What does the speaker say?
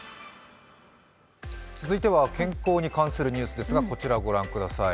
続いては健康に関するニュースですがこちらをご覧ください。